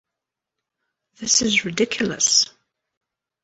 This is ridiculous.